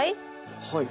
はい。